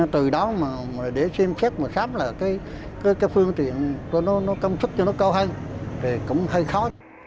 từ đó mà để xem chắc mà khám là cái phương tiện nó công chức cho nó cầu hành thì cũng hơi khó